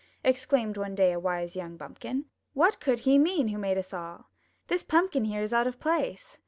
*' Exclaimed one day a wise young bumpkin! "What could He mean who made us all? This Pumpkin here is out of place.